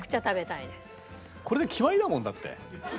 これで決まりだもんだって。